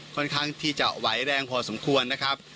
ค่อนข้างที่จะไหวแรงพอสมควรนะครับ